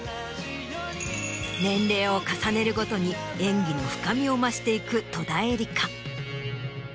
年齢を重ねるごとに演技の深みを増していく戸田恵梨香。